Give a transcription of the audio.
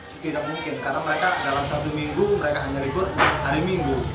itu tidak mungkin karena mereka dalam satu minggu mereka hanya libur hari minggu